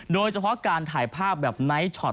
โดยเฉพาะการถ่ายภาพแบบไนท์ช็อต